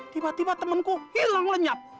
tiba tiba temanku hilang lenyap